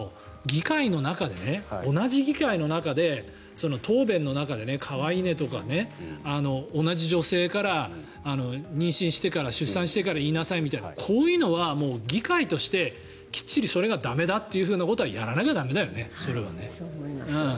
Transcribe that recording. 同じ議会の中で答弁の中で可愛いねとか同じ女性から、妊娠してから出産してから言いなさいみたいなこういうのは議会としてきっちりそれが駄目だってことはやらなきゃ駄目だよね。